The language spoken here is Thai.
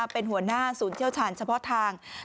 เป็นหัวหน้าศูนย์เชี่ยวชาญเฉพาะทาง